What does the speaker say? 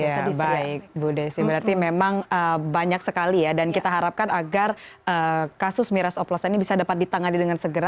ya tadi baik bu desi berarti memang banyak sekali ya dan kita harapkan agar kasus miras oplosan ini bisa dapat ditangani dengan segera